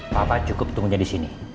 papa cukup tunggu dia di sini